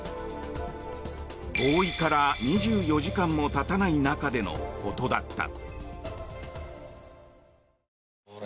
合意から２４時間もたたない中でのことだった。